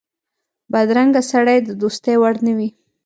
بدرنګه سړی د دوستۍ وړ نه وي